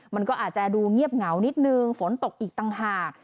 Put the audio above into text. มันก็อาจจะดูเงียบเหงานิดนึงฝนตกอีกต่างหาก